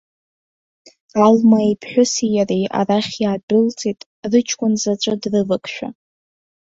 Алма иԥҳәыси иареи арахь иаадәылҵит, рыҷкәын заҵәы дрывакшәа.